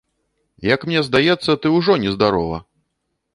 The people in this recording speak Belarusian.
Як мне здаецца, ты ўжо нездарова!